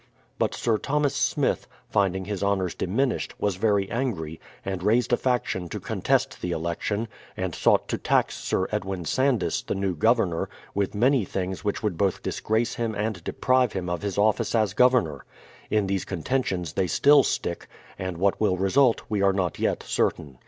But Sir Thomas Smith, finding his honours diminished, was very angry, and raised a faction to contest the election, and sought to tax Sir Edwin Sandys, the new Governor, with many things which would both disgrace him and deprive him of his office as Governor. In these contentions they still stick, and what will result we are not yet certain.